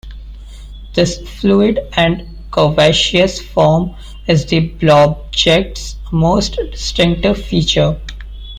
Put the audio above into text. This fluid and curvaceous form is the blobject's most distinctive feature.